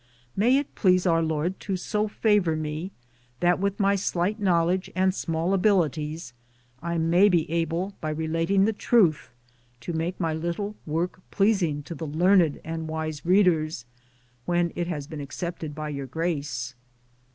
May it please our Lord to so favor me that with my slight knowledge and small abilities I may be able by relating the truth to make my little work pleasing to the learned and wise readers, when it has been accepted by your grace.